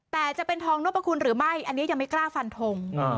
แต่จะเป็นทองนพคุณหรือไม่อันนี้ยังไม่กล้าฟันทง